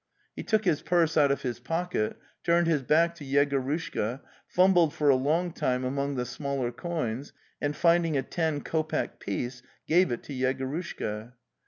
He took his purse out of his pocket, turned his back to Yegorushka, fumbled for a long time among the smaller coins, and, finding a ten kopeck piece, gave it to Yegorushka.